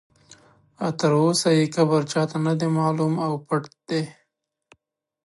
تر اوسه یې قبر چا ته نه دی معلوم او پټ دی.